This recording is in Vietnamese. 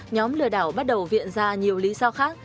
nhóm lừa đảo bắt đầu viện ra nhiều lý do khác